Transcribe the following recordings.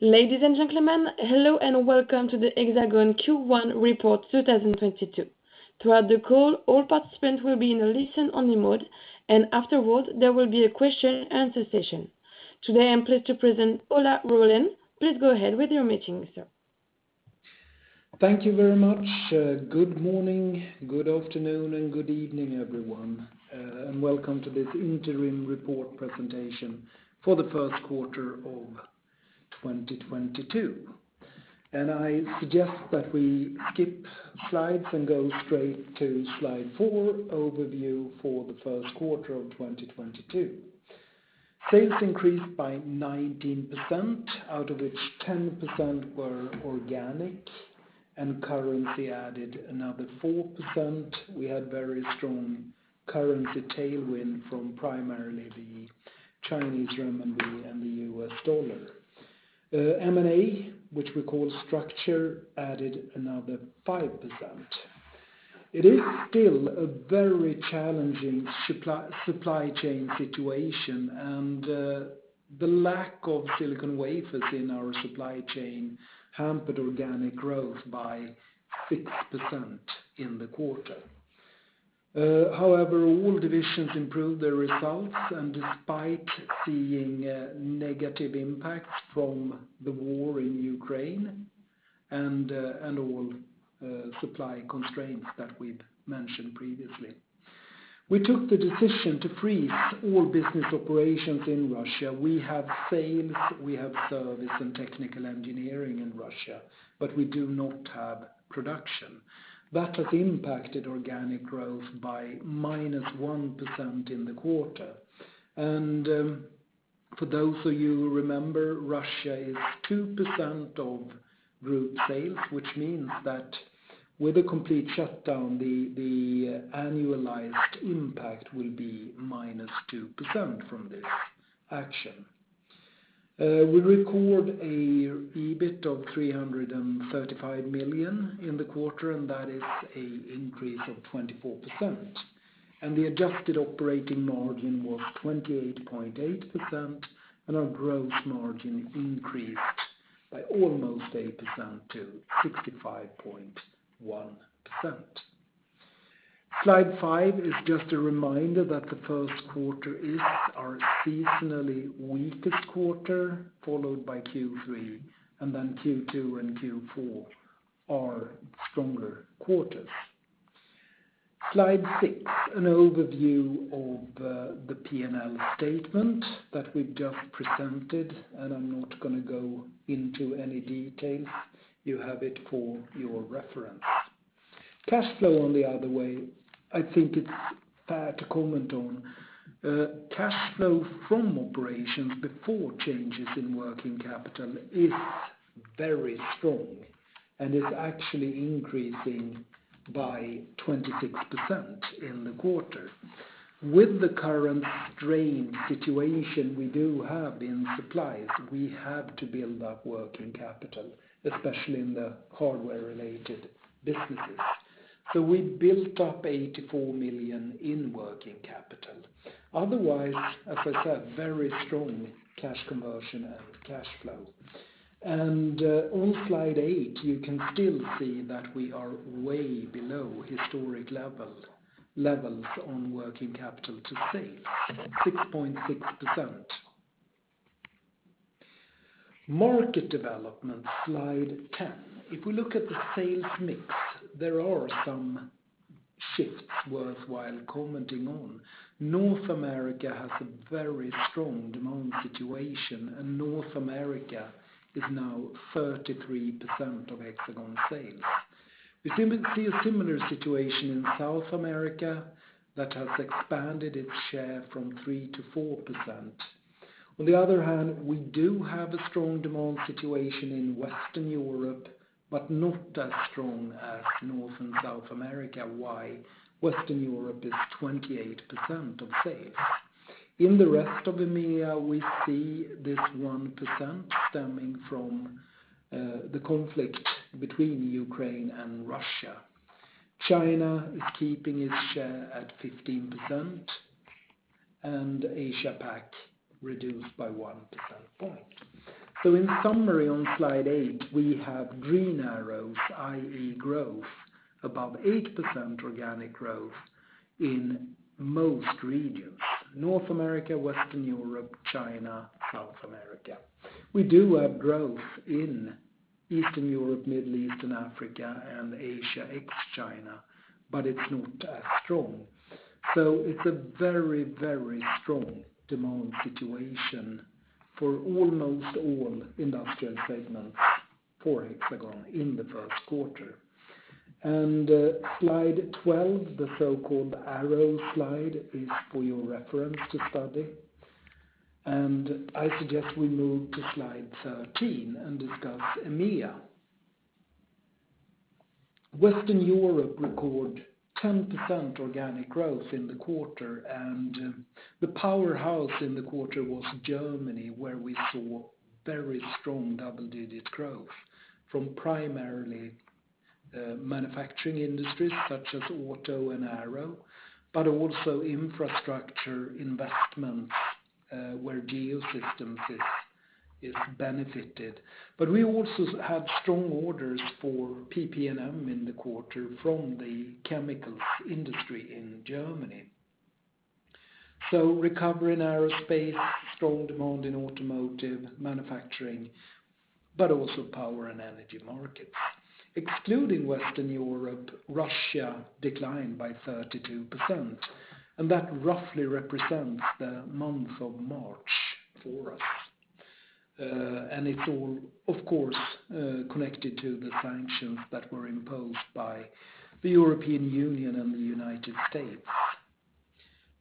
Ladies and gentlemen, hello and welcome to the Hexagon Q1 Report 2022. Throughout the call, all participants will be in a listen-only mode, and afterward, there will be a question and answer session. Today, I'm pleased to present Ola Rollén. Please go ahead with your meeting, sir. Thank you very much. Good morning, good afternoon, and good evening, everyone, and welcome to this interim report presentation for the first quarter of 2022. I suggest that we skip slides and go straight to slide four, overview for the first quarter of 2022. Sales increased by 19%, out of which 10% were organic, and currency added another 4%. We had very strong currency tailwind from primarily the Chinese renminbi and the US dollar. M&A, which we call structure, added another 5%. It is still a very challenging supply chain situation, and the lack of silicon wafers in our supply chain hampered organic growth by 6% in the quarter. However, all divisions improved their results and despite seeing negative impacts from the war in Ukraine and all supply constraints that we've mentioned previously. We took the decision to freeze all business operations in Russia. We have sales, we have service and technical engineering in Russia, but we do not have production. That has impacted organic growth by -1% in the quarter. For those of you who remember, Russia is 2% of group sales, which means that with a complete shutdown, the annualized impact will be -2% from this action. We record a EBIT of 335 million in the quarter, and that is a increase of 24%. The adjusted operating margin was 28.8%, and our gross margin increased by almost 8% to 65.1%. Slide five is just a reminder that the first quarter is our seasonally weakest quarter, followed by Q3, and then Q2 and Q4 are stronger quarters. Slide six, an overview of the P&L statement that we've just presented, and I'm not gonna go into any details. You have it for your reference. Cash flow on the other hand, I think it's fair to comment on. Cash flow from operations before changes in working capital is very strong and is actually increasing by 26% in the quarter. With the current strained situation we do have in supplies, we have to build up working capital, especially in the hardware-related businesses. So we built up 84 million in working capital. Otherwise, as I said, very strong cash conversion and cash flow. On slide eight, you can still see that we are way below historic levels on working capital to sales, 6.6%. Market development, slide ten. If we look at the sales mix, there are some shifts worthwhile commenting on. North America has a very strong demand situation, and North America is now 33% of Hexagon sales. We seem to see a similar situation in South America that has expanded its share from 3%-4%. On the other hand, we do have a strong demand situation in Western Europe, but not as strong as North and South America, why Western Europe is 28% of sales. In the rest of EMEA, we see this 1% stemming from the conflict between Ukraine and Russia. China is keeping its share at 15%, and Asia PAC reduced by one percentage point. In summary, on slide eight, we have green arrows, i.e. growth, above 8% organic growth in most regions, North America, Western Europe, China, South America. We do have growth in Eastern Europe, Middle East and Africa, and Asia ex-China, but it's not as strong. It's a very, very strong demand situation for almost all industrial segments for Hexagon in the first quarter. Slide 12, the so-called arrow slide, is for your reference to study. I suggest we move to slide 13 and discuss EMEA. Western Europe record 10% organic growth in the quarter. The powerhouse in the quarter was Germany, where we saw very strong double-digit growth from primarily manufacturing industries such as auto and aero, but also infrastructure investments, where Geosystems is benefited. We also had strong orders for PP&M in the quarter from the chemicals industry in Germany. Recovery in aerospace, strong demand in automotive manufacturing, but also power and energy markets. Excluding Western Europe, Russia declined by 32%, and that roughly represents the month of March for us. It's all, of course, connected to the sanctions that were imposed by the European Union and the United States.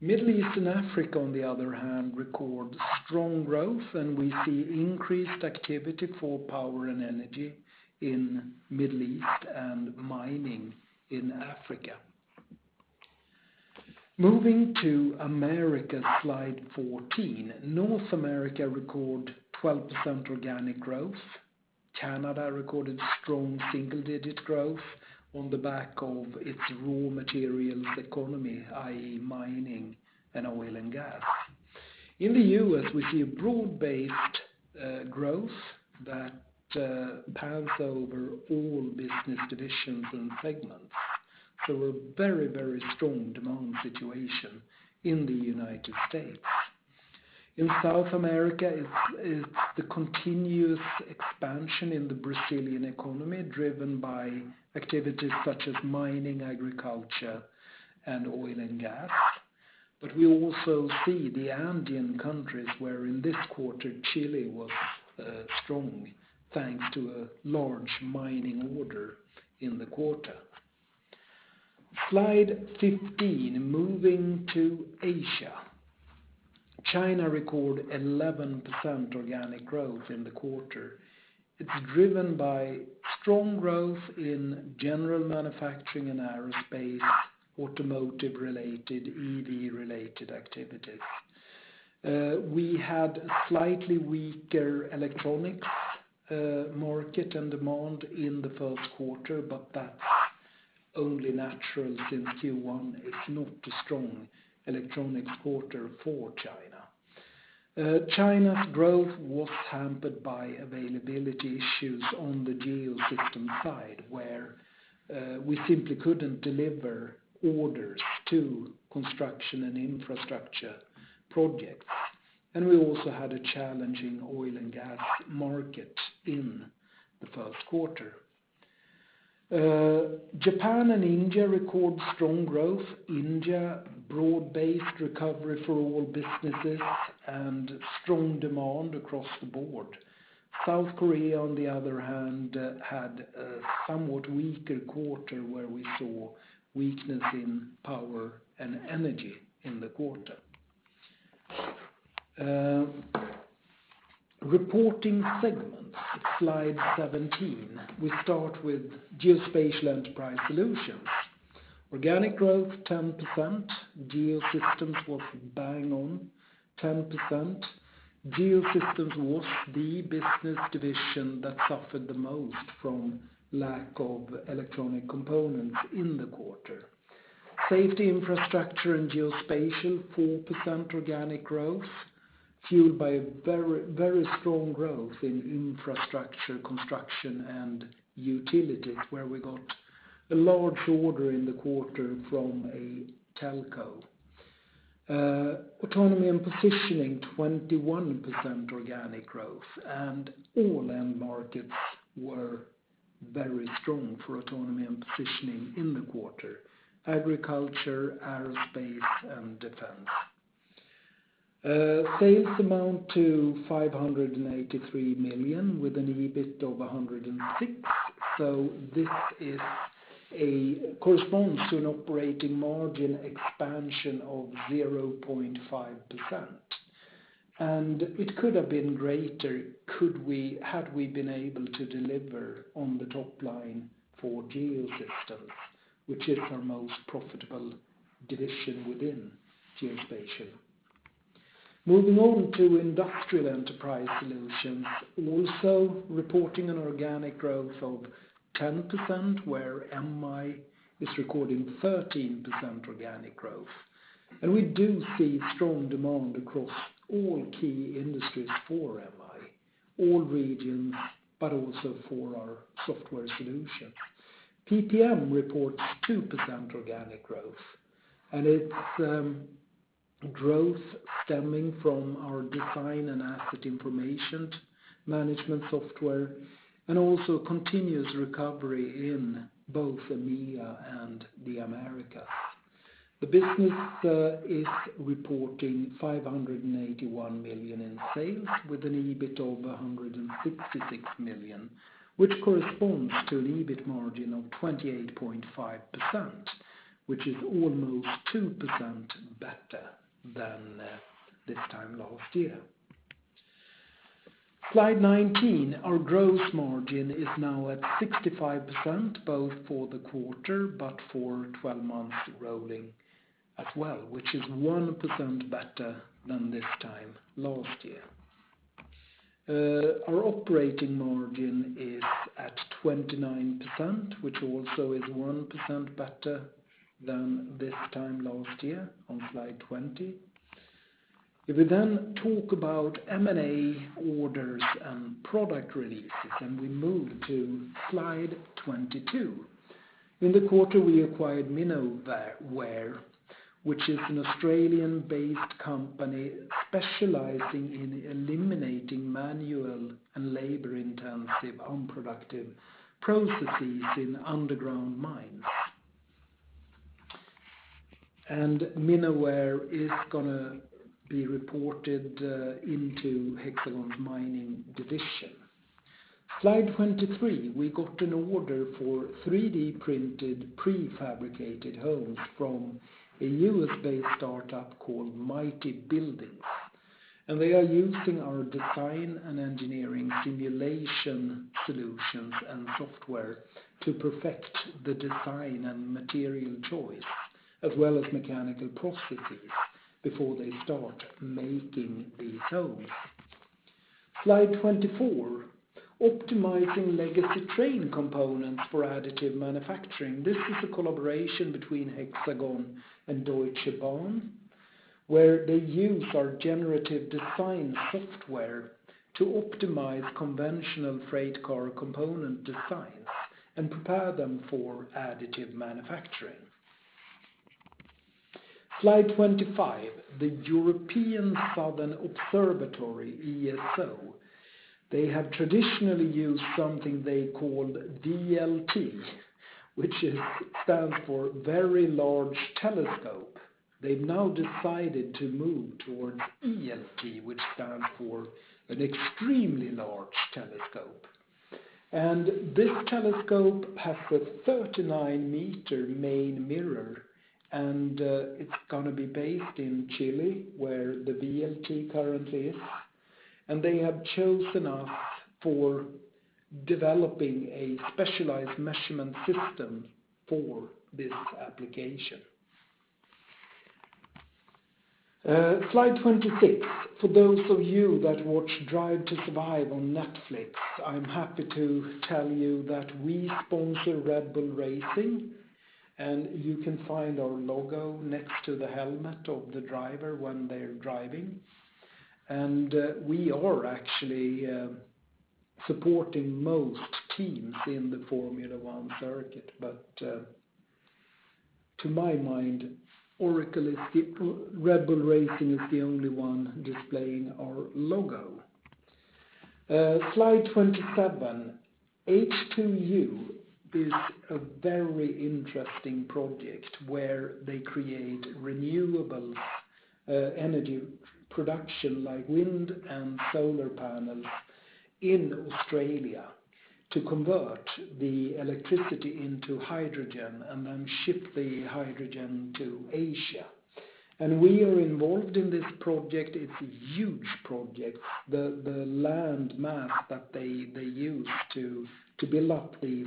Middle East and Africa, on the other hand, record strong growth, and we see increased activity for power and energy in Middle East and mining in Africa. Moving to America, slide 14. North America record 12% organic growth. Canada recorded strong single-digit growth on the back of its raw materials economy, i.e., mining and oil and gas. In the U.S., we see a broad-based growth that pass over all business divisions and segments, so a very, very strong demand situation in the United States. In South America, it's the continuous expansion in the Brazilian economy driven by activities such as mining, agriculture, and oil and gas. We also see the Andean countries where in this quarter, Chile was strong, thanks to a large mining order in the quarter. Slide 15, moving to Asia. China recorded 11% organic growth in the quarter. It's driven by strong growth in general manufacturing and aerospace, automotive-related, EV-related activities. We had slightly weaker electronics market and demand in the first quarter, but that's only natural since Q1 is not a strong electronics quarter for China. China's growth was hampered by availability issues on the Geosystems side, where we simply couldn't deliver orders to construction and infrastructure projects, and we also had a challenging oil and gas market in the first quarter. Japan and India recorded strong growth. India, broad-based recovery for all businesses and strong demand across the board. South Korea, on the other hand, had a somewhat weaker quarter where we saw weakness in power and energy in the quarter. Reporting segments, slide 17. We start with Geospatial Enterprise Solutions. Organic growth 10%. Geosystems was bang on 10%. Geosystems was the business division that suffered the most from lack of electronic components in the quarter. Safety, infrastructure, and geospatial 4% organic growth, fueled by a very, very strong growth in infrastructure, construction, and utilities, where we got a large order in the quarter from a telco. Autonomy and positioning 21% organic growth, and all end markets were very strong for autonomy and positioning in the quarter, agriculture, aerospace, and defense. Sales amount to 583 million with an EBIT of 106 million. This corresponds to an operating margin expansion of 0.5%. It could have been greater had we been able to deliver on the top line for Geosystems, which is our most profitable division within Geospatial. Moving on to Industrial Enterprise Solutions, also reporting an organic growth of 10%, where MI is recording 13% organic growth. We do see strong demand across all key industries for MI, all regions, but also for our software solutions. PP&M reports 2% organic growth, and it's growth stemming from our design and asset information management software and also continuous recovery in both EMEA and the Americas. The business is reporting 581 million in sales with an EBIT of 166 million, which corresponds to an EBIT margin of 28.5%, which is almost 2% better than this time last year. Slide 19, our gross margin is now at 65%, both for the quarter, but for twelve months rolling as well, which is 1% better than this time last year. Our operating margin is at 29%, which also is 1% better than this time last year on slide 20. If we talk about M&A orders and product releases, we move to slide 22. In the quarter, we acquired Minnovare, which is an Australian-based company specializing in eliminating manual and labor-intensive, unproductive processes in underground mines. Minnovare is going to be reported into Hexagon's mining division. Slide 23, we got an order for 3D printed prefabricated homes from a US-based startup called Mighty Buildings. They are using our design and engineering simulation solutions and software to perfect the design and material choice as well as mechanical processes before they start making these homes. Slide 24, optimizing legacy train components for additive manufacturing. This is a collaboration between Hexagon and Deutsche Bahn, where they use our generative design software to optimize conventional freight car component designs and prepare them for additive manufacturing. Slide 25, the European Southern Observatory, ESO. They have traditionally used something they call VLT, which stands for Very Large Telescope. They have now decided to move towards ELT, which stands for an Extremely Large Telescope. This telescope has a 39-meter main mirror, and it's gonna be based in Chile, where the VLT currently is. They have chosen us for developing a specialized measurement system for this application. Slide 26. For those of you that watch Drive to Survive on Netflix, I'm happy to tell you that we sponsor Oracle Red Bull Racing, and you can find our logo next to the helmet of the driver when they're driving. We are actually supporting most teams in the Formula One circuit. To my mind, Oracle Red Bull Racing is the only one displaying our logo. Slide 27. H2U is a very interesting project where they create renewable energy production like wind and solar panels in Australia to convert the electricity into hydrogen and then ship the hydrogen to Asia. We are involved in this project. It's a huge project. The land mass that they use to build up these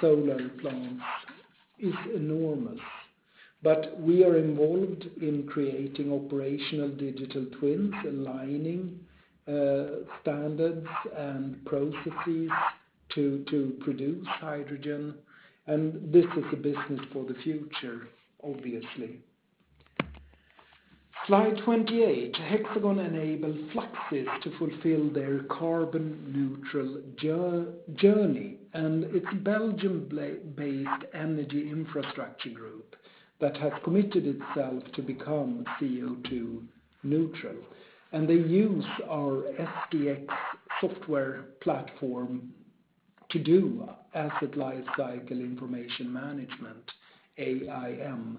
solar plants is enormous. But we are involved in creating operational digital twins, aligning standards and processes to produce hydrogen. This is a business for the future, obviously. Slide 28, Hexagon enable Fluxys to fulfill their carbon neutral journey, and it's a Belgium-based energy infrastructure group that has committed itself to become CO2 neutral. They use our SDX software platform to do asset lifecycle information management, AIM,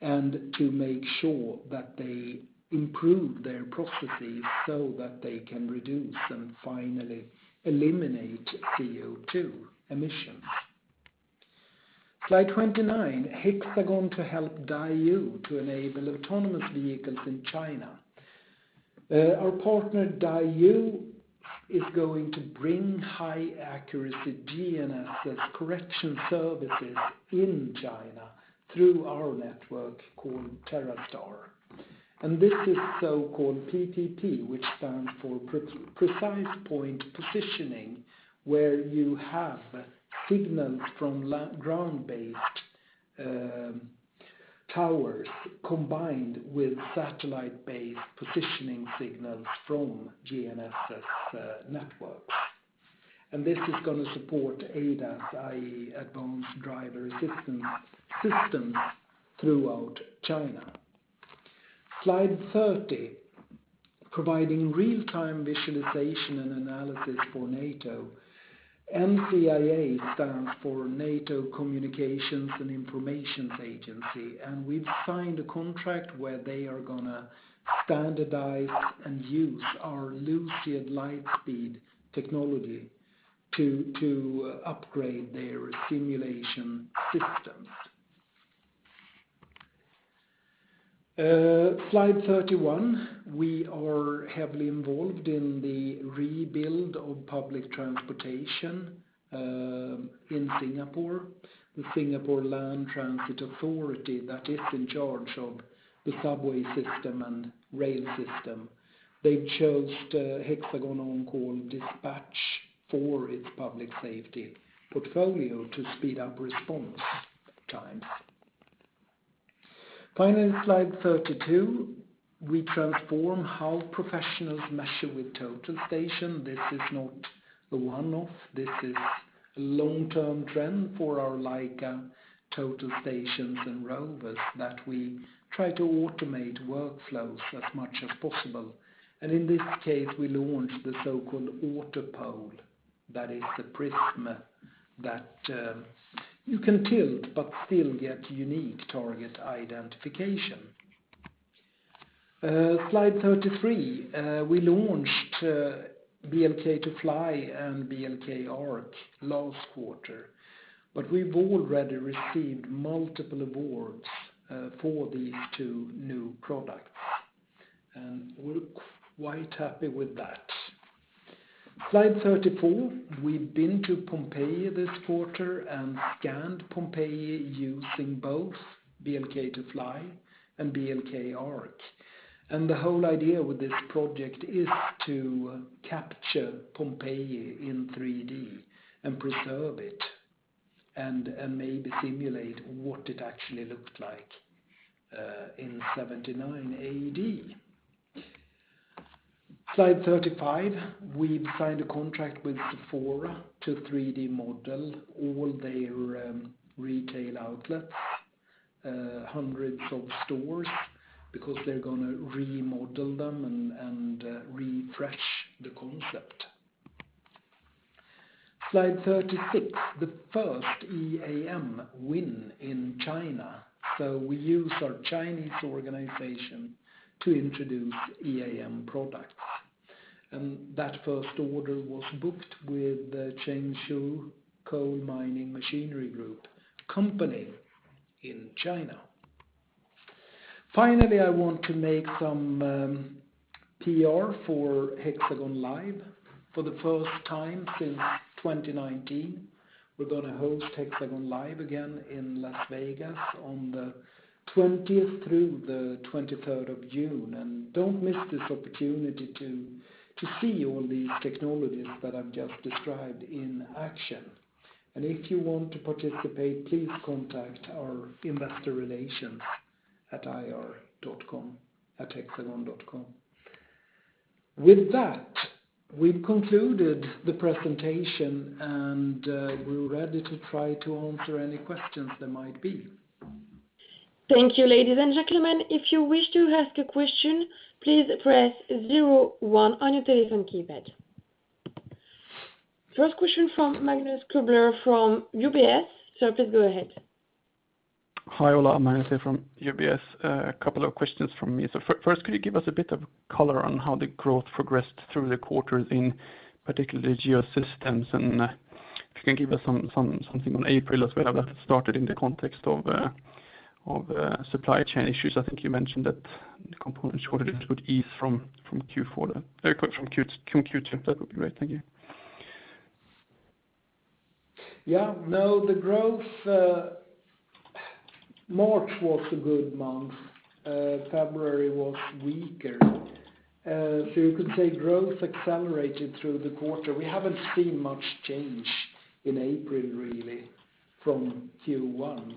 and to make sure that they improve their processes so that they can reduce and finally eliminate CO2 emissions. Slide 29, Hexagon to help DiDi to enable autonomous vehicles in China. Our partner, DiDi, is going to bring high accuracy GNSS correction services in China through our network called TerraStar. This is so-called PPP, which stands for Precise Point Positioning, where you have signals from ground-based towers combined with satellite-based positioning signals from GNSS networks. This is gonna support ADAS, i.e. Advanced Driver-Assistance Systems, throughout China. Slide 30, providing real-time visualization and analysis for NATO. NCIA stands for NATO Communications and Information Agency, and we've signed a contract where they are gonna standardize and use our LuciadLightspeed technology to upgrade their simulation systems. Slide 31, we are heavily involved in the rebuild of public transportation in Singapore. The Singapore Land Transport Authority that is in charge of the subway system and rail system, they've chosen HxGN OnCall Dispatch for its public safety portfolio to speed up response times. Finally, slide 32, we transform how professionals measure with total station. This is not a one-off, this is a long-term trend for our Leica total stations and rovers that we try to automate workflows as much as possible. In this case, we launched the so-called AutoPole. That is the prism that you can tilt, but still get unique target identification. Slide 33, we launched BLK2FLY and BLK ARC last quarter, but we've already received multiple awards for these two new products, and we're quite happy with that. Slide 34, we've been to Pompeii this quarter and scanned Pompeii using both BLK2FLY and BLK ARC. The whole idea with this project is to capture Pompeii in 3D and preserve it and maybe simulate what it actually looked like in 79 AD. Slide 35, we've signed a contract with Sephora to 3D model all their retail outlets, hundreds of stores, because they're gonna remodel them and refresh the concept. Slide 36, the first EAM win in China. We use our Chinese organization to introduce EAM products. That first order was booked with the Zhengzhou Coal Mining Machinery Group Co., Ltd. in China. Finally, I want to make some PR for HxGN LIVE. For the first time since 2019, we're gonna host HxGN LIVE again in Las Vegas on the 20th through the 23rd of June, and don't miss this opportunity to see all these technologies that I've just described in action. If you want to participate, please contact our investor relations at ir@hexagon.com. With that, we've concluded the presentation, and we're ready to try to answer any questions there might be. Thank you, ladies and gentlemen. If you wish to ask a question, please press zero one on your telephone keypad. First question from Magnus Kruber from UBS. Sir, please go ahead. Hi, Ola. Magnus here from UBS. A couple of questions from me. First, could you give us a bit of color on how the growth progressed through the quarter particularly in Geosystems? If you can give us something on April as well, how that started in the context of supply chain issues. I think you mentioned that the component shortage would ease from Q2. That would be great. Thank you. Yeah, no, the growth, March was a good month. February was weaker. You could say growth accelerated through the quarter. We haven't seen much change in April really from Q1.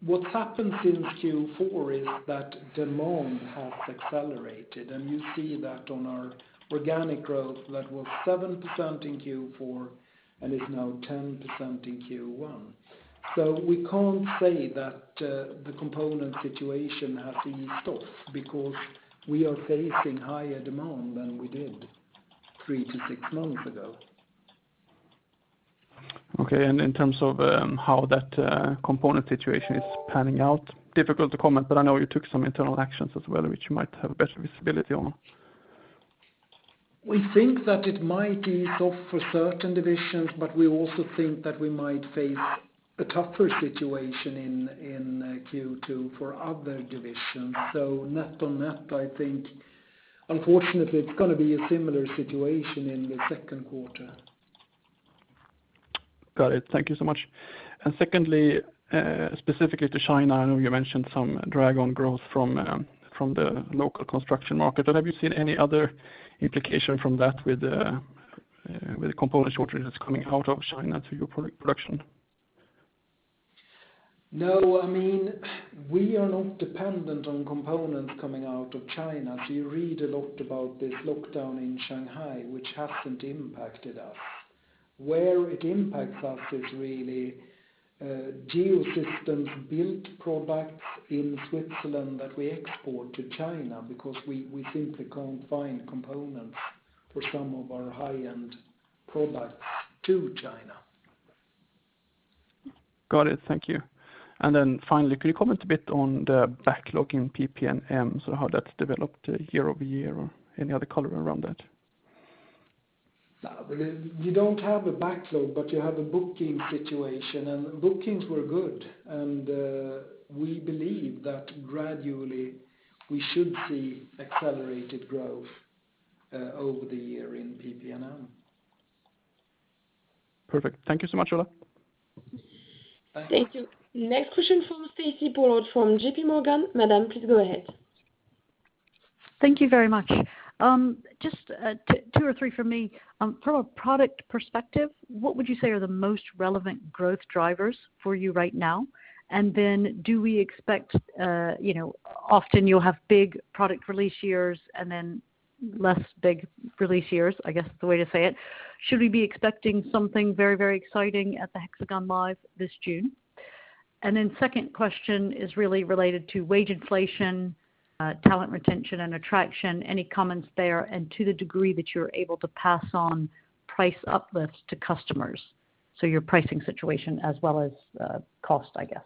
What's happened since Q4 is that demand has accelerated, and you see that on our organic growth that was 7% in Q4 and is now 10% in Q1. We can't say that, the component situation has eased off because we are facing higher demand than we did three to six months ago. Okay. In terms of how that component situation is panning out, difficult to comment, but I know you took some internal actions as well, which you might have better visibility on. We think that it might ease off for certain divisions, but we also think that we might face a tougher situation in Q2 for other divisions. Net on net, I think unfortunately it's gonna be a similar situation in the second quarter. Got it. Thank you so much. Secondly, specifically to China, I know you mentioned some drag on growth from the local construction market. But have you seen any other implication from that with the component shortage that's coming out of China to your production? No. I mean, we are not dependent on components coming out of China. You read a lot about this lockdown in Shanghai, which hasn't impacted us. Where it impacts us is really, Geosystems built products in Switzerland that we export to China because we simply can't find components for some of our high-end products to China. Got it. Thank you. Finally, could you comment a bit on the backlog in PP&M, so how that's developed year-over-year or any other color around that? No, but you don't have a backlog, but you have a booking situation, and bookings were good. We believe that gradually we should see accelerated growth over the year in PP&M. Perfect. Thank you so much, Ola. Thank you. Next question from Stacy Pollard from J.P. Morgan. Madam, please go ahead. Thank you very much. Just two or three for me. From a product perspective, what would you say are the most relevant growth drivers for you right now? Do we expect, you know, often you'll have big product release years and then less big release years, I guess, the way to say it. Should we be expecting something very, very exciting at the HxGN LIVE this June? Second question is really related to wage inflation, talent retention, and attraction. Any comments there, and to the degree that you're able to pass on price uplifts to customers, so your pricing situation as well as cost, I guess.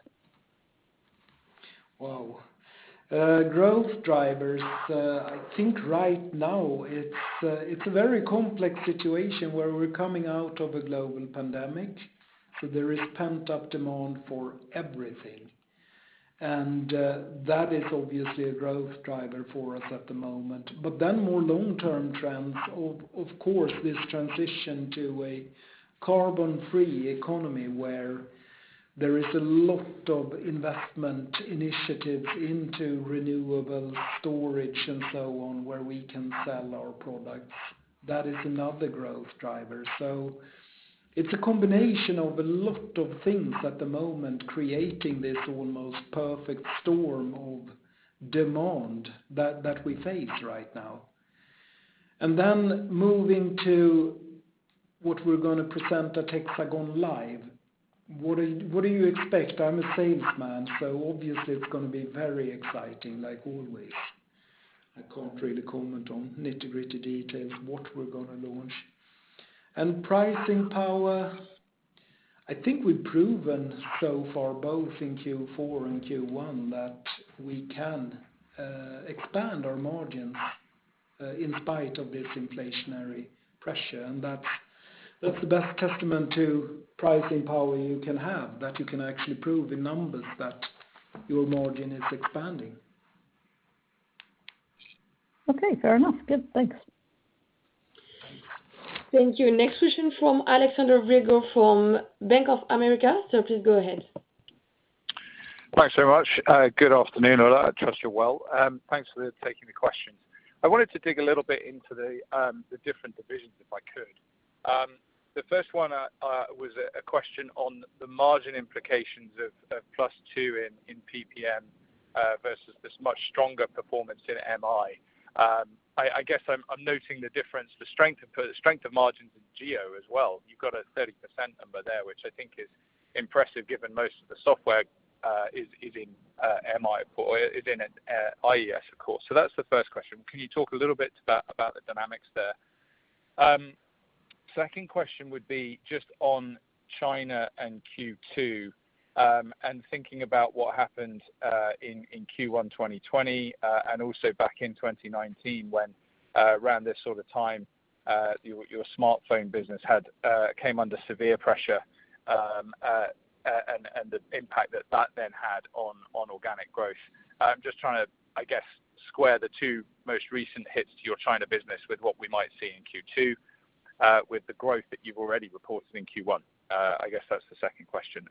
Wow. Growth drivers, I think right now it's a very complex situation where we're coming out of a global pandemic, so there is pent-up demand for everything. That is obviously a growth driver for us at the moment. More long-term trends of course, this transition to a carbon-free economy where there is a lot of investment initiatives into renewable storage and so on, where we can sell our products. That is another growth driver. It's a combination of a lot of things at the moment, creating this almost perfect storm of demand that we face right now. Moving to what we're gonna present at HxGN LIVE. What do you expect? I'm a salesman, so obviously it's gonna be very exciting like always. I can't really comment on nitty-gritty details, what we're gonna launch. Pricing power, I think we've proven so far, both in Q4 and Q1, that we can expand our margins in spite of this inflationary pressure. That's the best testament to pricing power you can have, that you can actually prove in numbers that your margin is expanding. Okay, fair enough. Good. Thanks. Thank you. Next question from Alexander Virgo from Bank of America. Sir, please go ahead. Thanks so much. Good afternoon, Ola. I trust you're well. Thanks for taking the questions. I wanted to dig a little bit into the different divisions, if I could. The first one was a question on the margin implications of +2% in PP&M versus this much stronger performance in MI. I guess I'm noting the difference, the strength of margins in Geo as well. You've got a 30% number there, which I think is impressive given most of the software is in MI or is in IES, of course. That's the first question. Can you talk a little bit about the dynamics there? Second question would be just on China and Q2, and thinking about what happened in Q1 2020, and also back in 2019 when, around this sort of time, your smartphone business had came under severe pressure, and the impact that that then had on organic growth. I'm just trying to, I guess, square the two most recent hits to your China business with what we might see in Q2, with the growth that you've already reported in Q1. I guess that's the second question.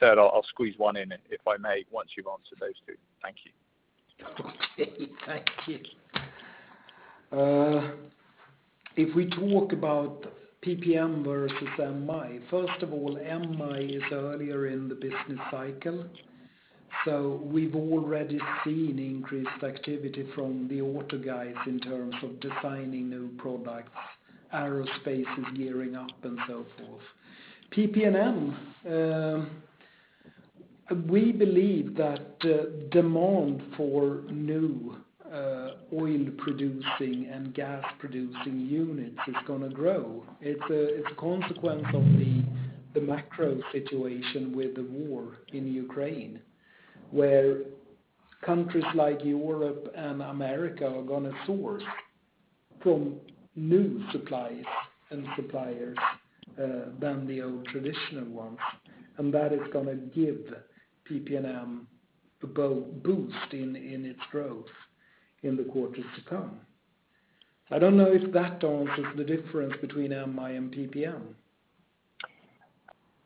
Third, I'll squeeze one in if I may, once you've answered those two. Thank you. Thank you. If we talk about PP&M versus MI, first of all, MI is earlier in the business cycle, so we've already seen increased activity from the auto guys in terms of designing new products. Aerospace is gearing up, and so forth. PP&M, we believe that demand for new oil-producing and gas-producing units is gonna grow. It's a consequence of the macro situation with the war in Ukraine, where countries like Europe and America are gonna source from new suppliers than the old traditional ones. That is gonna give PP&M a boost in its growth in the quarters to come. I don't know if that answers the difference between MI and PP&M.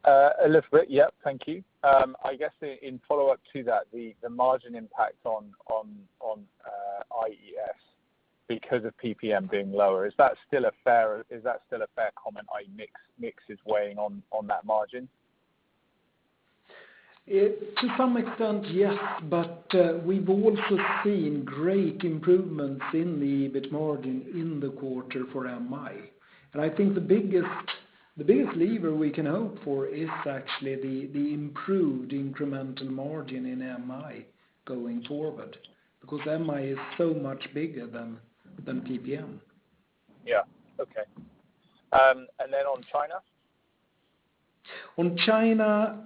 A little bit, yep. Thank you. I guess in follow-up to that, the margin impact on IES because of PP&M being lower, is that still a fair comment, i.e. mix is weighing on that margin? To some extent, yes. We've also seen great improvements in the EBIT margin in the quarter for MI. I think the biggest lever we can hope for is actually the improved incremental margin in MI going forward, because MI is so much bigger than PP&M. Yeah. Okay. On China? On China,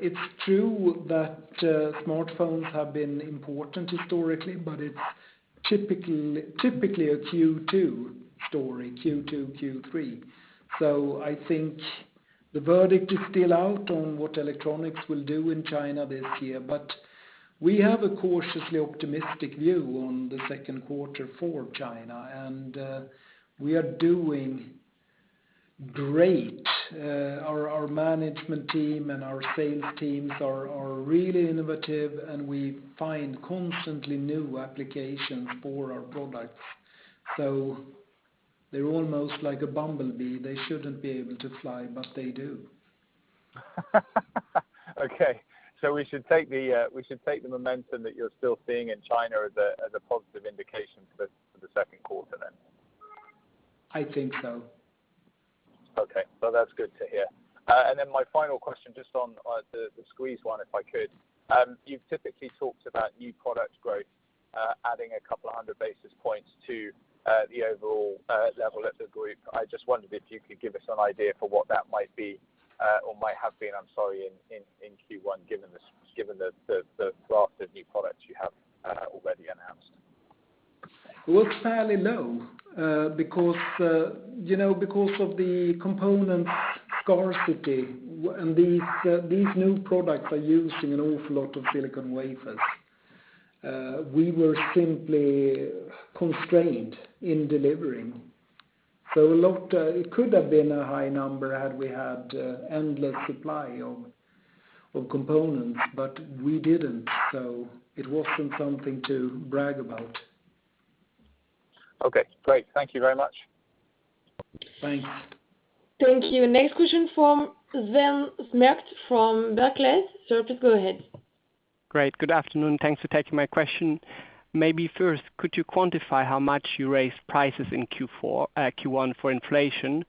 it's true that smartphones have been important historically, but it's typically a Q2 story, Q2, Q3. I think the verdict is still out on what electronics will do in China this year. We have a cautiously optimistic view on the second quarter for China, and we are doing great. Our management team and our sales teams are really innovative, and we find constantly new applications for our products. They're almost like a bumblebee. They shouldn't be able to fly, but they do. Okay. We should take the momentum that you're still seeing in China as a positive indication for the second quarter then? I think so. Okay. Well, that's good to hear. Then my final question, just on the squeeze one, if I could. You've typically talked about new product growth, adding a couple of hundred basis points to the overall level of the group. I just wondered if you could give us an idea for what that might be, or might have been, I'm sorry, in Q1, given the raft of new products you have already announced. Well, it's fairly low, because, you know, because of the component scarcity, and these new products are using an awful lot of silicon wafers. We were simply constrained in delivering. A lot, it could have been a high number had we had endless supply of components, but we didn't, so it wasn't something to brag about. Okay, great. Thank you very much. Thanks. Thank you. Next question from Sven Merkt from Barclays. Sir, please go ahead. Great. Good afternoon. Thanks for taking my question. Maybe first, could you quantify how much you raised prices in Q4, Q1 for inflation?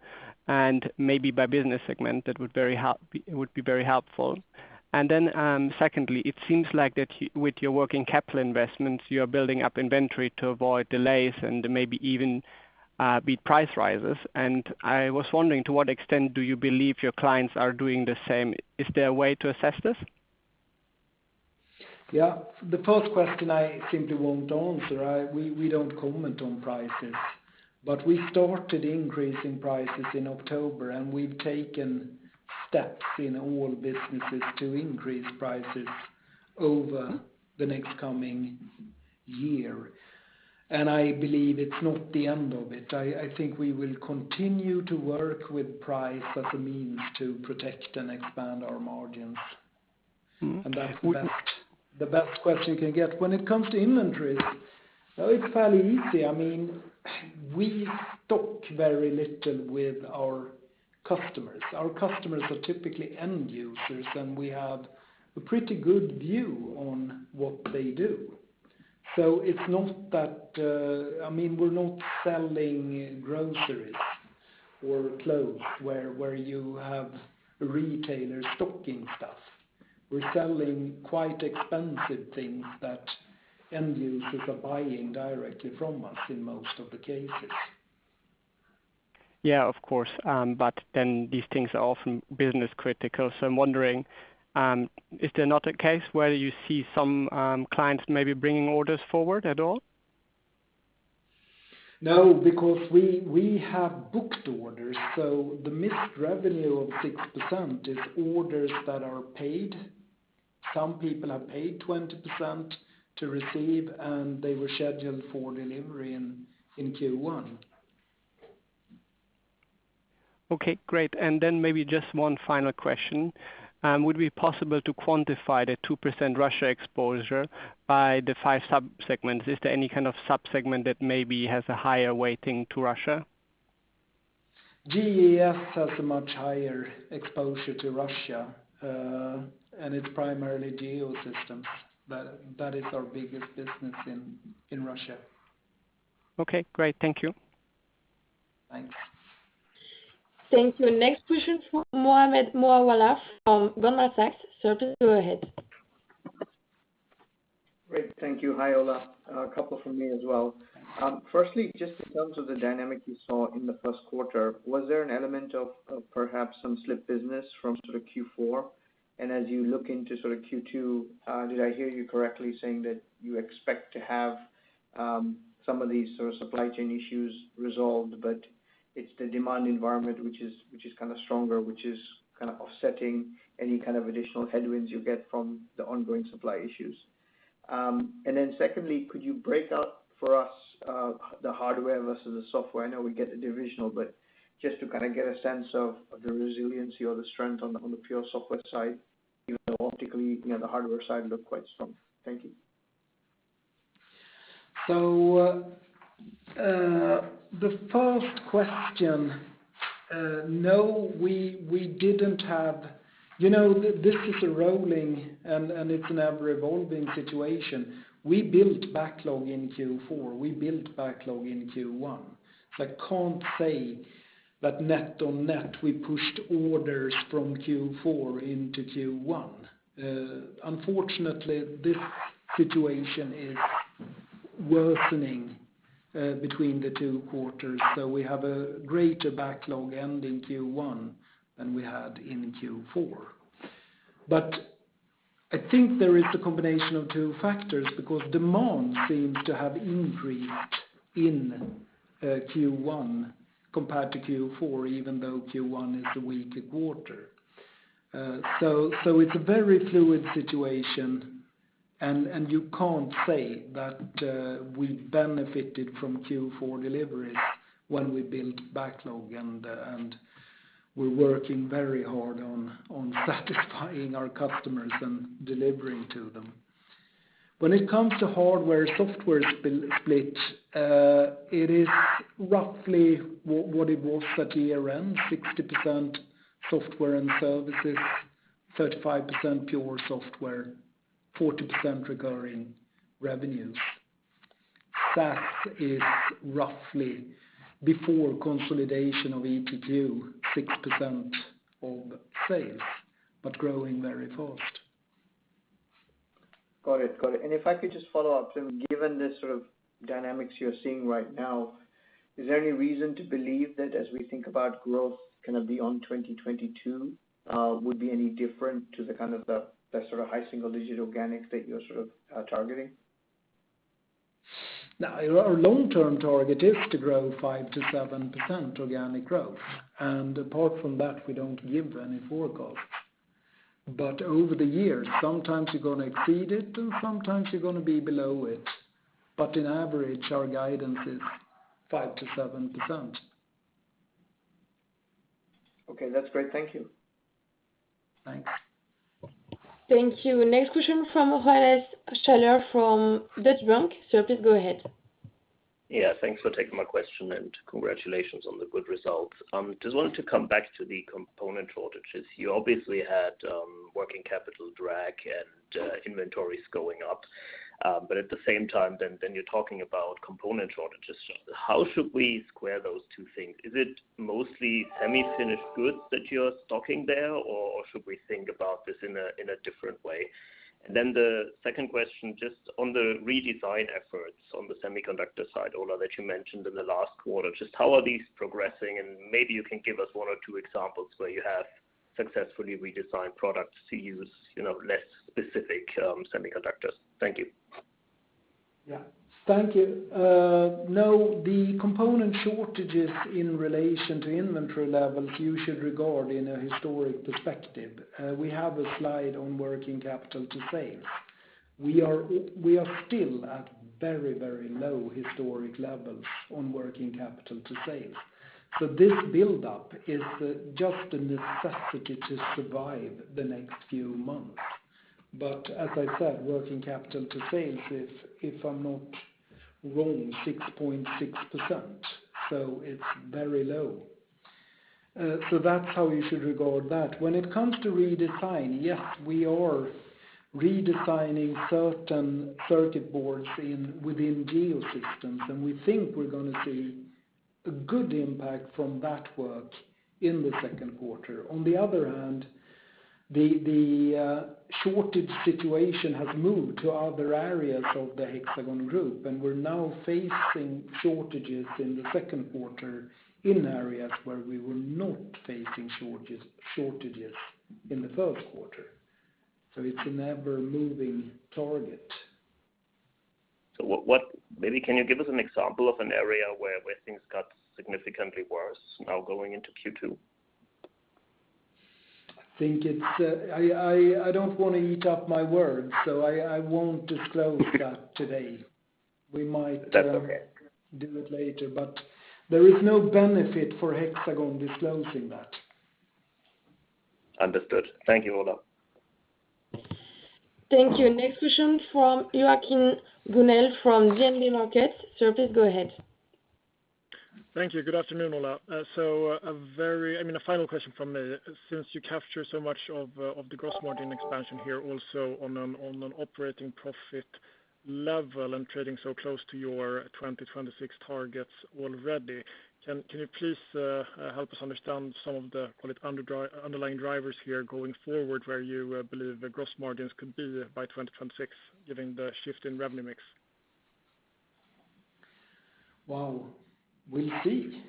Maybe by business segment, it would be very helpful. Then, secondly, it seems like with your working capital investments, you're building up inventory to avoid delays and maybe even beat price rises. I was wondering, to what extent do you believe your clients are doing the same? Is there a way to assess this? Yeah. The first question I simply won't answer. We don't comment on prices. We started increasing prices in October, and we've taken steps in all businesses to increase prices over the next coming year. I believe it's not the end of it. I think we will continue to work with price as a means to protect and expand our margins. Mm-hmm. That's the best question you can get. When it comes to inventories, it's fairly easy. I mean, we stock very little with our customers. Our customers are typically end users, and we have a pretty good view on what they do. So it's not that. I mean, we're not selling groceries or clothes where you have retailers stocking stuff. We're selling quite expensive things that end users are buying directly from us in most of the cases. Yeah, of course. These things are often business critical, so I'm wondering, is there not a case where you see some clients maybe bringing orders forward at all? No, because we have booked orders. The missed revenue of 6% is orders that are paid. Some people have paid 20% to receive, and they were scheduled for delivery in Q1. Okay, great. Maybe just one final question. Would it be possible to quantify the 2% Russia exposure by the five subsegments? Is there any kind of subsegment that maybe has a higher weighting to Russia? GES has a much higher exposure to Russia, and it's primarily Geosystems. That is our biggest business in Russia. Okay, great. Thank you. Thanks. Thank you. Next question from Mohammed Moawalla from Goldman Sachs. Sir, please go ahead. Great. Thank you. Hi, Ola. A couple from me as well. Firstly, just in terms of the dynamic you saw in the first quarter, was there an element of perhaps some slipped business from sort of Q4? As you look into sort of Q2, did I hear you correctly saying that you expect to have some of these sort of supply chain issues resolved, but it's the demand environment which is kind of stronger, which is kind of offsetting any kind of additional headwinds you get from the ongoing supply issues? Secondly, could you break out for us the hardware versus the software? I know we get the divisional, but just to kinda get a sense of the resiliency or the strength on the pure software side, even though optically, you know, the hardware side looked quite strong. Thank you. The first question, no, we didn't have. You know, this is a rolling and it's an ever-evolving situation. We built backlog in Q4. We built backlog in Q1. I can't say that net on net we pushed orders from Q4 into Q1. Unfortunately, this situation is worsening between the two quarters, so we have a greater backlog ending in Q1 than we had in Q4. But I think there is a combination of two factors because demand seems to have increased in Q1 compared to Q4, even though Q1 is the weaker quarter. It's a very fluid situation and you can't say that we benefited from Q4 deliveries when we built backlog and we're working very hard on satisfying our customers and delivering to them. When it comes to hardware, software split, it is roughly what it was at year-end, 60% software and services, 35% pure software, 40% regarding revenues. SaaS is roughly before consolidation of ETQ, 6% of sales, but growing very fast. Got it. If I could just follow up, given the sort of dynamics you're seeing right now, is there any reason to believe that as we think about growth kind of beyond 2022, would be any different to the sort of high single digit organic that you're sort of targeting? Now our long-term target is to grow 5%-7% organic growth, and apart from that, we don't give any forecasts. Over the years, sometimes you're gonna exceed it, and sometimes you're gonna be below it. On average, our guidance is 5%-7%. Okay, that's great. Thank you. Thanks. Thank you. Next question from Johannes Schaller from Deutsche Bank. Sir, please go ahead. Yeah, thanks for taking my question, and congratulations on the good results. Just wanted to come back to the component shortages. You obviously had working capital drag and inventories going up. At the same time, then you're talking about component shortages. How should we square those two things? Is it mostly semi-finished goods that you're stocking there, or should we think about this in a different way? The second question, just on the redesign efforts on the semiconductor side, Ola, that you mentioned in the last quarter, just how are these progressing? Maybe you can give us one or two examples where you have successfully redesigned products to use, you know, less specific semiconductors. Thank you. Yeah. Thank you. No, the component shortages in relation to inventory levels, you should regard in a historic perspective. We have a slide on working capital to sales. We are still at very, very low historic levels on working capital to sales. This buildup is just a necessity to survive the next few months. As I said, working capital to sales is, if I'm not wrong, 6.6%, so it's very low. That's how you should regard that. When it comes to redesign, yes, we are redesigning certain circuit boards within Geosystems, and we think we're gonna see a good impact from that work in the second quarter. On the other hand, the shortage situation has moved to other areas of the Hexagon group, and we're now facing shortages in the second quarter in areas where we were not facing shortages in the first quarter. It's an ever-moving target. Maybe can you give us an example of an area where things got significantly worse now going into Q2? I think it's, I don't wanna eat up my words, so I won't disclose that today. We might That's okay. Do it later. There is no benefit for Hexagon disclosing that. Understood. Thank you, Ola. Thank you. Next question from Joachim Gunell from DNB Markets. Sir, please go ahead. Thank you. Good afternoon, Ola. I mean, a final question from me. Since you capture so much of the gross margin expansion here also on an operating profit level and trading so close to your 2026 targets already, can you please help us understand some of the, call it underlying drivers here going forward, where you believe the gross margins could be by 2026, given the shift in revenue mix? Well, we'll see.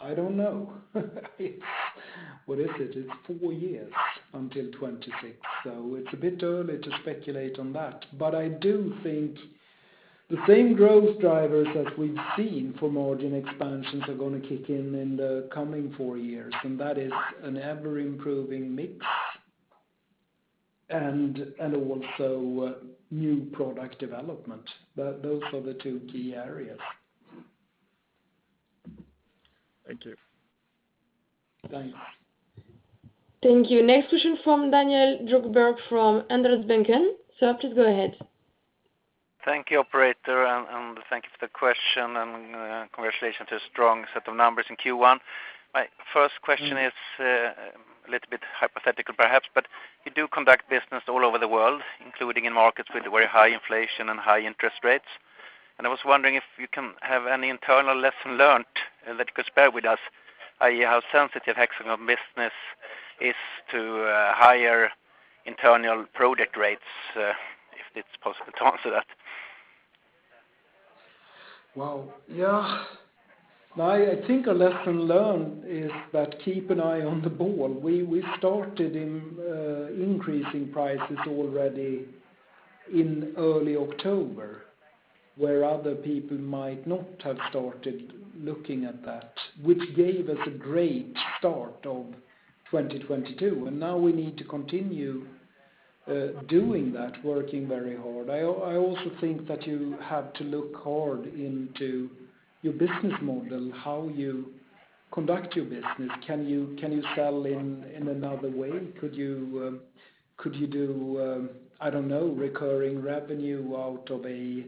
I don't know. It's, what is it? It's four years until 2026, so it's a bit early to speculate on that. I do think the same growth drivers as we've seen for margin expansions are gonna kick in in the coming four years, and that is an ever-improving mix and also new product development. Those are the two key areas. Thank you. Thanks. Thank you. Next question from Daniel Djurberg from Handelsbanken Capital Markets. Sir, please go ahead. Thank you, operator, and thank you for the question and congratulations to a strong set of numbers in Q1. My first question is a little bit hypothetical perhaps, but you do conduct business all over the world, including in markets with very high inflation and high interest rates. I was wondering if you can have any internal lesson learned that you could share with us, i.e. how sensitive Hexagon business is to higher interest rates, if it's possible to answer that. Well, yeah. I think a lesson learned is that keep an eye on the ball. We started in increasing prices already in early October, where other people might not have started looking at that, which gave us a great start of 2022. Now we need to continue doing that, working very hard. I also think that you have to look hard into your business model, how you conduct your business. Can you sell in another way? Could you do, I don't know, recurring revenue out of a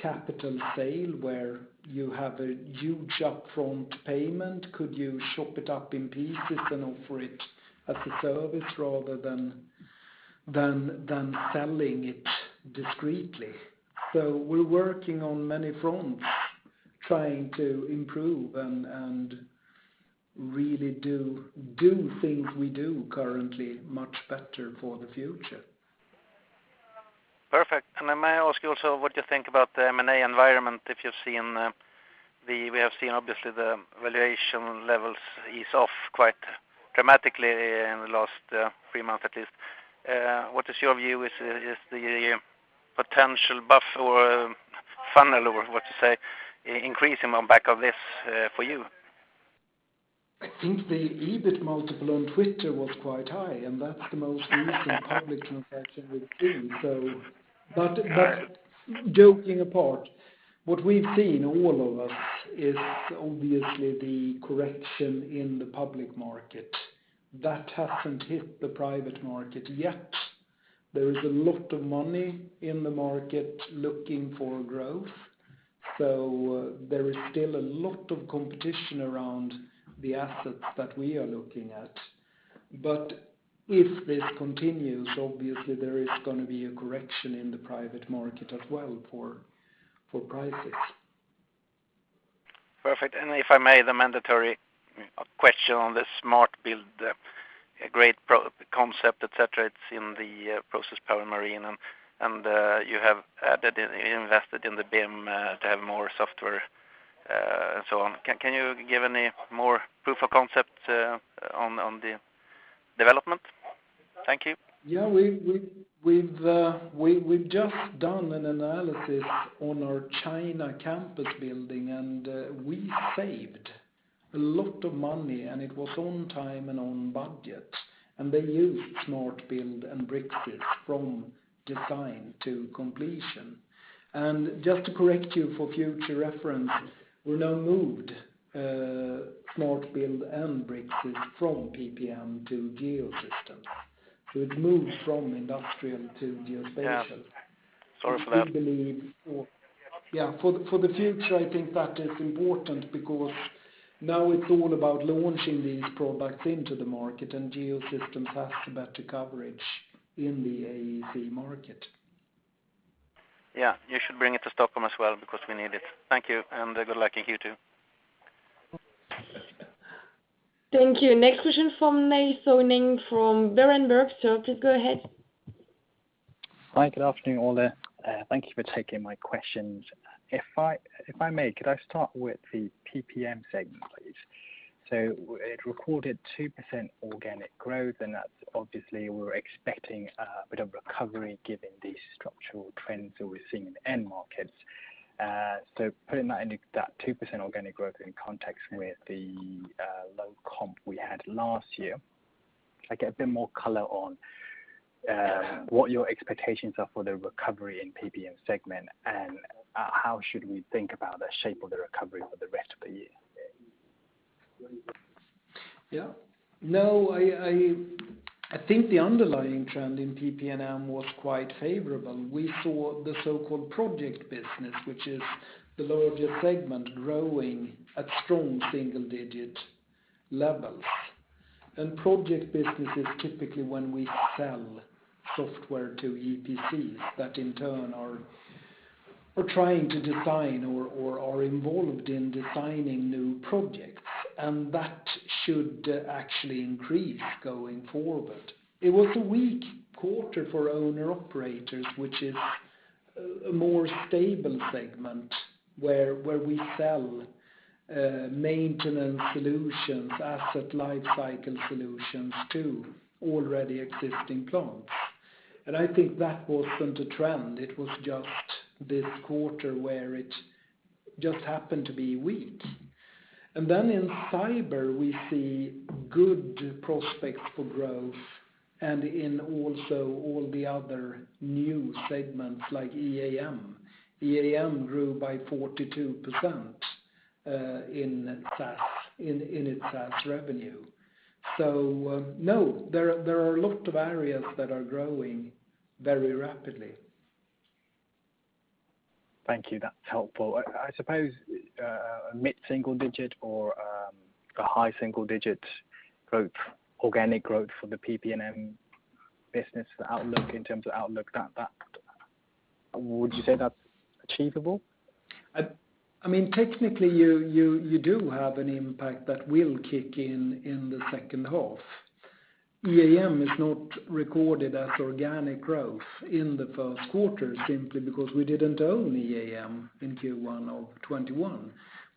capital sale where you have a huge upfront payment? Could you chop it up in pieces and offer it as a service rather than selling it discreetly? We're working on many fronts trying to improve and really do things we do currently much better for the future. Perfect. May I ask you also what you think about the M&A environment, if we have seen obviously the valuation levels ease off quite dramatically in the last three months at least. What is your view? Is the potential buff or funnel or what to say increasing on back of this for you? I think the EBIT multiple on Twitter was quite high, and that's the most recent public transaction we've seen, so. Joking apart, what we've seen, all of us, is obviously the correction in the public market. That hasn't hit the private market yet. There is a lot of money in the market looking for growth, so there is still a lot of competition around the assets that we are looking at. If this continues, obviously there is gonna be a correction in the private market as well for prices. Perfect. If I may, the mandatory question on the SMART Build, a great proof of concept, et cetera. It's in the Process, Power & Marine, and you have invested in the BIM to have more software, and so on. Can you give any more proof of concept on the development? Thank you. Yeah. We've just done an analysis on our China campus building, and we saved a lot of money, and it was on time and on budget. They used Smart Build and Bricsys from design to completion. Just to correct you for future reference, we now moved Smart Build and Bricsys from PP&M to Geosystems. It moved from industrial to geospatial. Yeah. Sorry for that. For the future, I think that is important because now it's all about launching these products into the market, and Geosystems has better coverage in the AEC market. Yeah. You should bring it to Stockholm as well because we need it. Thank you, and good luck in Q2. Thank you. Next question from Nay Soe Naing from Berenberg. Please go ahead. Hi. Good afternoon, all. Thank you for taking my questions. If I may, could I start with the PP&M segment, please? It recorded 2% organic growth, and that's obviously we're expecting a bit of recovery given the structural trends that we're seeing in the end markets. So putting that into that 2% organic growth in context with the low comp we had last year, could I get a bit more color on what your expectations are for the recovery in PP&M segment, and how should we think about the shape of the recovery for the rest of the year? Yeah. No, I think the underlying trend in PP&M was quite favorable. We saw the so-called project business, which is the largest segment growing at strong single-digit levels. Project business is typically when we sell software to EPCs that in turn are trying to design or are involved in designing new projects, and that should actually increase going forward. It was a weak quarter for owner operators, which is a more stable segment where we sell maintenance solutions, asset lifecycle solutions to already existing plants. I think that wasn't a trend. It was just this quarter where it just happened to be weak. In cyber, we see good prospects for growth and in also all the other new segments like EAM. EAM grew by 42% in SaaS, in its SaaS revenue. No, there are a lot of areas that are growing very rapidly. Thank you. That's helpful. I suppose a mid-single-digit or a high single-digit growth, organic growth for the PP&M business outlook in terms of outlook, that would you say that's achievable? I mean, technically, you do have an impact that will kick in in the second half. EAM is not recorded as organic growth in the first quarter simply because we didn't own EAM in Q1 of 2021.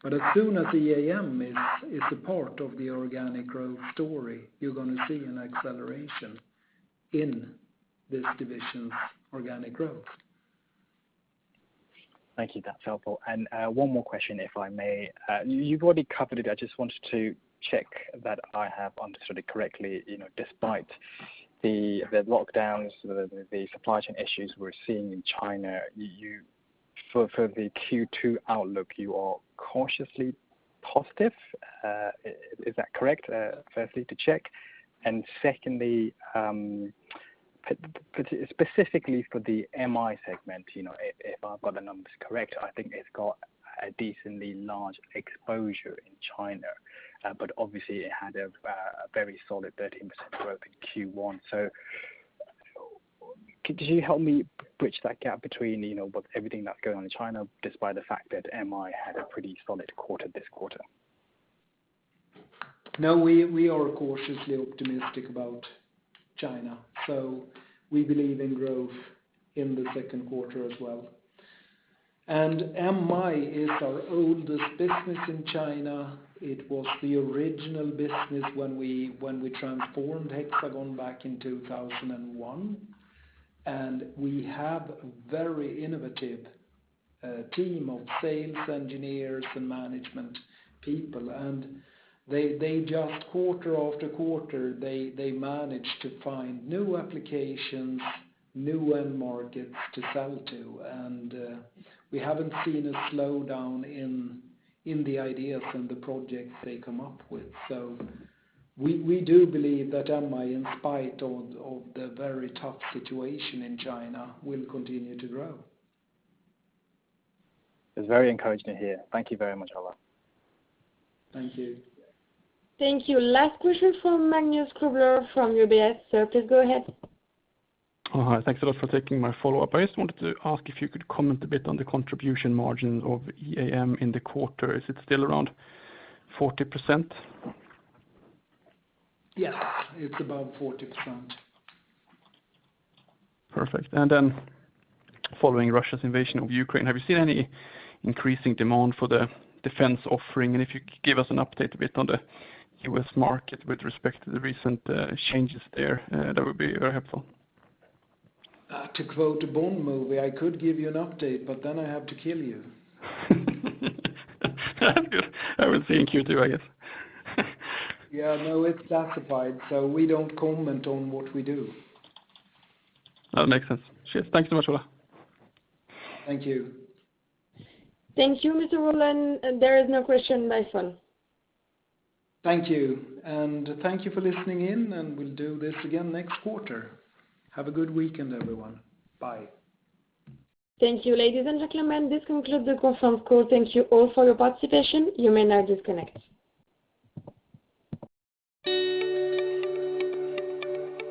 As soon as EAM is a part of the organic growth story, you're going to see an acceleration in this division's organic growth. Thank you. That's helpful. One more question, if I may. You've already covered it, I just wanted to check that I have understood it correctly. You know, despite the lockdowns, the supply chain issues we're seeing in China, for the Q2 outlook, you are cautiously positive. Is that correct? Firstly, to check. Secondly, specifically for the MI segment, you know, if I've got the numbers correct, I think it's got a decently large exposure in China. But obviously it had a very solid 13% growth in Q1. So could you help me bridge that gap between, you know, what everything that's going on in China despite the fact that MI had a pretty solid quarter this quarter? No, we are cautiously optimistic about China, so we believe in growth in the second quarter as well. MI is our oldest business in China. It was the original business when we transformed Hexagon back in 2001. We have a very innovative team of sales engineers and management people. They just quarter after quarter manage to find new applications, new end markets to sell to. We haven't seen a slowdown in the ideas and the projects they come up with. We do believe that MI, in spite of the very tough situation in China, will continue to grow. It's very encouraging to hear. Thank you very much, Ola. Thank you. Thank you. Last question from Magnus Kruber from UBS. Sir, please go ahead. All right. Thanks a lot for taking my follow-up. I just wanted to ask if you could comment a bit on the contribution margin of EAM in the quarter. Is it still around 40%? Yes, it's above 40%. Perfect. Following Russia's invasion of Ukraine, have you seen any increasing demand for the defense offering? If you could give us an update a bit on the U.S. market with respect to the recent changes there, that would be very helpful. To quote a Bond movie, I could give you an update, but then I have to kill you. That's good. That will see you in Q2, I guess. Yeah. No, it's classified, so we don't comment on what we do. That makes sense. Cheers. Thank you so much, Ola. Thank you. Thank you, Mr. Rollén. There is no question by phone. Thank you. Thank you for listening in, and we'll do this again next quarter. Have a good weekend, everyone. Bye. Thank you, ladies and gentlemen. This concludes the conference call. Thank you all for your participation. You may now disconnect.